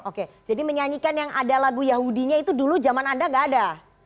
oke jadi menyanyikan yang ada lagu yahudinya itu dulu zaman anda gak ada